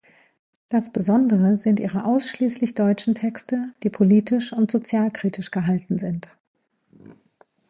Das besondere sind ihre ausschließlich deutschen Texte, die politisch und sozialkritisch gehalten sind.